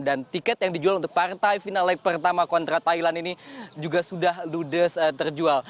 dan tiket yang dijual untuk partai final leg pertama kontra thailand ini juga sudah ludes terjual